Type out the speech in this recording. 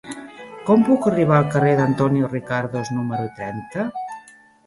Com puc arribar al carrer d'Antonio Ricardos número trenta?